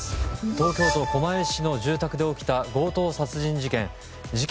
東京都狛江市の住宅で起きた強盗殺人事件。